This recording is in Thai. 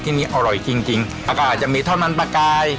ที่นี้อร่อยจริงแล้วก็อาจจะมีทอดมันปลากราย